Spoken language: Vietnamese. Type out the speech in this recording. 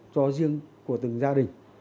cho riêng của từng gia đình